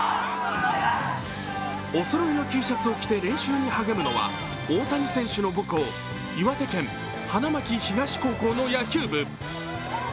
おそろいのＴシャツを着て練習に励むのは大谷選手の母校、岩手県花巻東高校の野球部。